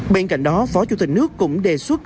bên cạnh đó phó chủ tịch nước cũng đề xuất